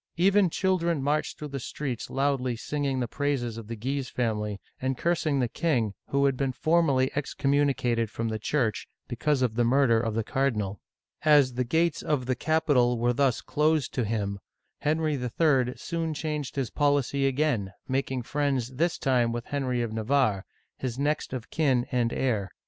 Even children marched through the streets loudly singing the praises of the Guise family and cursing the king, who had been formally excommu nicated from the Church because of the murder of the car dinal. As the gate§ of his capital were thus closed to him, Digitized by Google HENRY III. (1574 1589) 279 Henry III. soon changed his policy again, making friends this time with Henry of Navarre, his next of kin and heir.